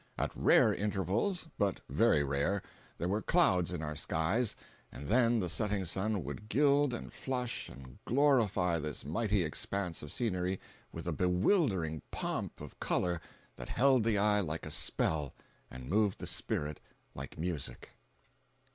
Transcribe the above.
At rare intervals—but very rare—there were clouds in our skies, and then the setting sun would gild and flush and glorify this mighty expanse of scenery with a bewildering pomp of color that held the eye like a spell and moved the spirit like music.